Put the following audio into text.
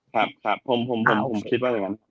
ครับครับผมคิดว่าอย่างนั้น